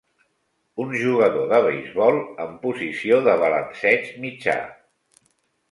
un jugador de beisbol en posició de balanceig mitjà.